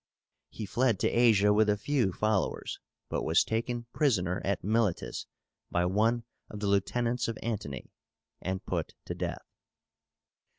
He fled to Asia with a few followers, but was taken prisoner at Milétus by one of the lieutenants of Antony, and put to death.